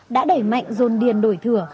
đã đẩy mạnh dồn điền đổi thừa